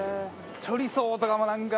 チョリソーとかもなんか。